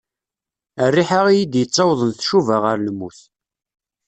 Rriḥa iyi-d-yettawḍen tcuba ɣer lmut.